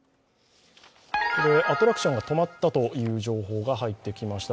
ここでアトラクションが止まったという情報が入ってきました。